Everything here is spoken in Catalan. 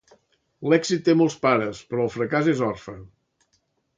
L'èxit té molts pares; però el fracàs és orfe.